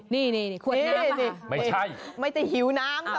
ไม่ใช่ไม่แต่หิวน้ำ